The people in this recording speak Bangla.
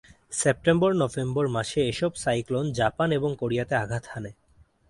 সেপ্টেম্বর-নভেম্বর মাসে এসব সাইক্লোন জাপান এবং কোরিয়াতে আঘাত হানে।